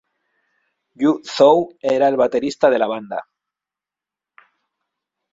Yu Zhou era el baterista de la banda.